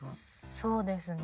そうですね。